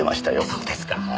そうですか。